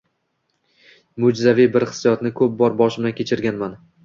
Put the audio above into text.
mo»jzaviy bir hissiyotni ko’p bor boshimdan kechirganman.